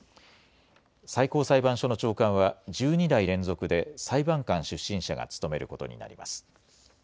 最高裁判所の長官は１２代連続で裁判官出身者が務めることになります。